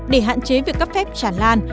để hạn chế việc cấp phép trả lan